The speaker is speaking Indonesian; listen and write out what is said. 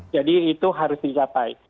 jadi itu harus dicapai